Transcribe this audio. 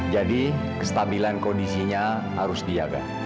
jadi kestabilan kondisinya harus diaga